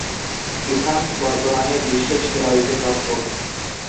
Evans বর্তমানে বিশ্বের সেরা উইকেট-রক্ষক।